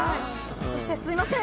そしてすいません。